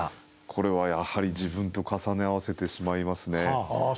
これはやはり自分と重ね合わせてしまいますね。